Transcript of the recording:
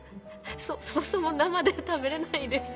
そもそも生で食べれないです。